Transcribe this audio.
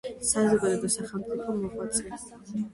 საზოგადო და სახელმწიფო მოღვაწე.